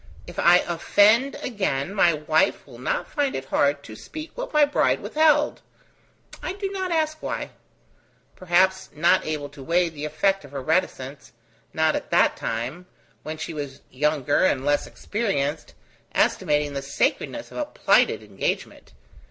If I offend again, my wife will not find it hard to speak what my bride withheld I do not ask why: perhaps not able to weigh the effect of her reticence: not at that time, when she was younger and less experienced, estimating the sacredness of a plighted engagement.